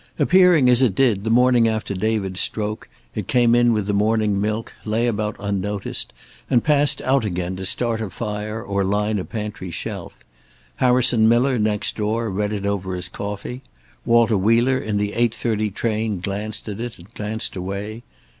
Appearing, as it did, the morning after David's stroke, it came in with the morning milk, lay about unnoticed, and passed out again, to start a fire or line a pantry shelf. Harrison Miller, next door, read it over his coffee. Walter Wheeler in the eight thirty train glanced at it and glanced away.